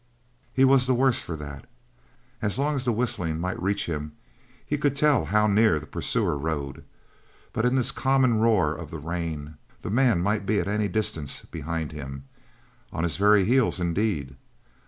He was the worse for that. As long as the whistling might reach him he could tell how near the pursuer rode; but in this common roar of the rain the man might be at any distance behind him on his very heels, indeed.